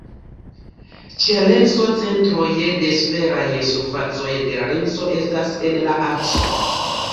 Ĉe lenso centroj de sferaj surfacoj de la lenso estas en la akso.